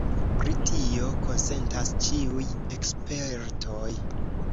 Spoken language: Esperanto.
Pri tio konsentas ĉiuj ekspertoj.